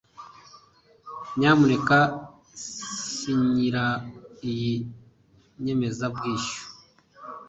Nyamuneka sinyira iyi nyemezabwishyu